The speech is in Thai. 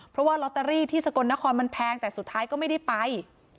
เพราะว่าลอตเตอรี่ที่สกลนครมันแพงแต่สุดท้ายก็ไม่ได้ไป